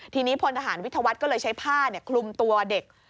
ทีนี้พลทหารวิทยาวัฒน์ก็เลยใช้ผ้าคลุมตัวเด็ก